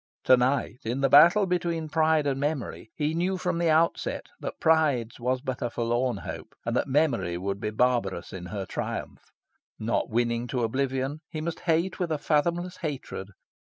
To night in the battle between pride and memory, he knew from the outset that pride's was but a forlorn hope, and that memory would be barbarous in her triumph. Not winning to oblivion, he must hate with a fathomless hatred.